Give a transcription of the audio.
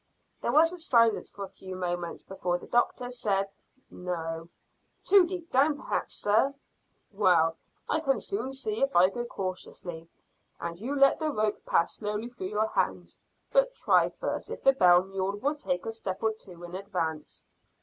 There was silence for a few moments before the doctor said "No." "Too deep down perhaps, sir." "Well, I can soon see if I go cautiously, and you let the rope pass slowly through your hands. But try first if the bell mule will take a step or two in advance."